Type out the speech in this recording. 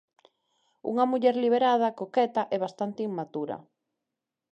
Unha muller liberada, coqueta e bastante inmatura.